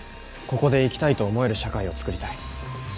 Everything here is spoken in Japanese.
ここで生きたいと思える社会を作りたい。